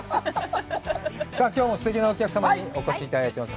きょうもすてきなお客様にお越しいただいています。